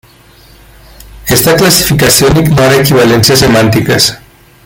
Esta clasificación ignora equivalencias semánticas.